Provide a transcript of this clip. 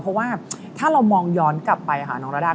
เพราะว่าถ้าเรามองย้อนกลับไปค่ะน้องระดา